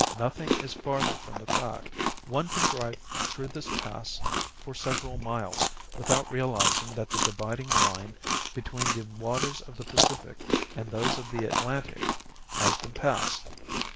Nothing is farther from the fact. One can drive through this Pass for several miles without realizing that the dividing line between the waters of the Pacific and those of the Atlantic has been passed.